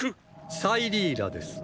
サイリーラです。